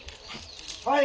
はい。